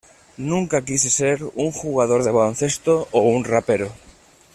Nunca quise ser un jugador de baloncesto o un rapero.